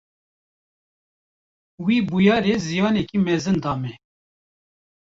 Wê bûyerê ziyaneke mezin da me.